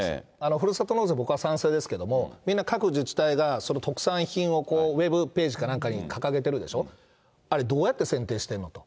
ふるさと納税、僕は賛成ですけども、みんな各自治体が、特産品をウェブページかなんかに、掲げてるでしょ、あれ、どうやって選定してるのと。